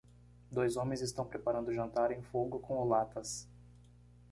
Dois homens estão preparando o jantar em fogo com latas.